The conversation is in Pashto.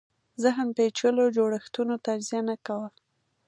ذهن پېچلو جوړښتونو تجزیه نه کاوه